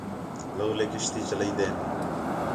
لولے کشتی چلائین٘دین